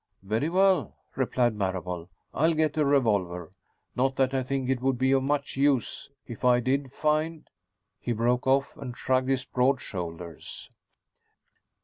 "Very well," replied Marable. "I'll get a revolver. Not that I think it would be of much use, if I did find " He broke off, and shrugged his broad shoulders.